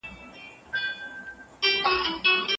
ماشوم له چاپېريال زده کړه کړې وه او تعليم زيات سوی و.